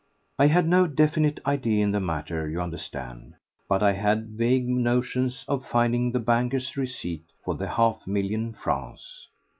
I had no definite idea in the matter, you understand; but I had vague notions of finding the bankers' receipt for the half million francs.